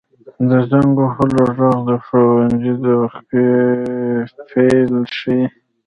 • د زنګ وهلو ږغ د ښوونځي د وقفې پیل ښيي.